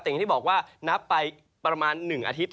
แต่อย่างที่บอกว่านับไปประมาณ๑อาทิตย์